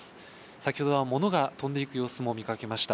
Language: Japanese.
先ほどは物が飛んでいく様子も見かけました。